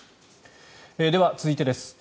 では、続いてです。